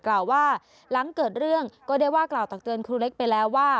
กล่าวว่าหลังเกิดเรื่องก็ได้ว่ากล่าวตักเตือนครูเล็กไปแล้วว่า